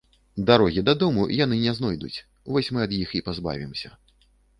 Дарогі дадому яны не знойдуць, вось мы ад іх і пазбавімся